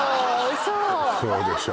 そうそうでしょ